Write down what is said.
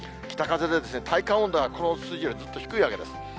北風で体感温度がこの数字よりもっと低いわけです。